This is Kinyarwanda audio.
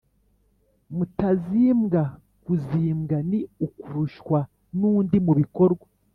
mutazimbwa: kuzimbwa ni ukurushwa n’undi mu bikorwa